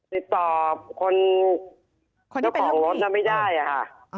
ติดต่อคนที่ของรถไม่ได้ค่ะ